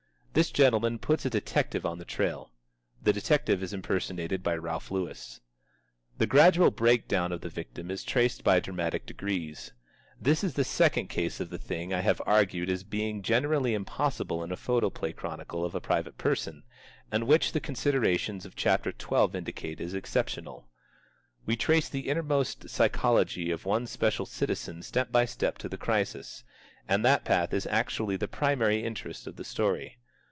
This gentleman puts a detective on the trail. (The detective is impersonated by Ralph Lewis.) The gradual breakdown of the victim is traced by dramatic degrees. This is the second case of the thing I have argued as being generally impossible in a photoplay chronicle of a private person, and which the considerations of chapter twelve indicate as exceptional. We trace the innermost psychology of one special citizen step by step to the crisis, and that path is actually the primary interest of the story.